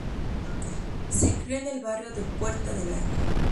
Se crió en el barrio de Puerta del Ángel.